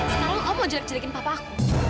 semalam om mau culik culikin papa aku